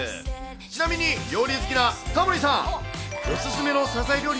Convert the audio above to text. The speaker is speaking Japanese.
ちなみに、料理好きなタモリさん。